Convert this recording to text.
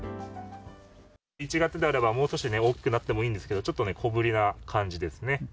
１月であれば、もうちょっと大きくなってもいいんですけど、ちょっとね、小ぶりな感じですね。